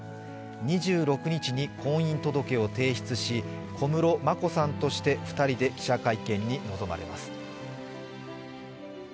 ２６日に婚姻届を提出し、小室眞子さんとして２人で記者会見に臨まれます。